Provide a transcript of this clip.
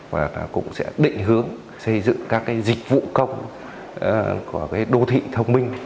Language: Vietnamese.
và cũng sẽ định hướng xây dựng các dịch vụ công của đô thị thông minh